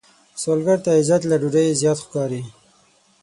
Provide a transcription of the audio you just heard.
سوالګر ته عزت له ډوډۍ زیات ښکاري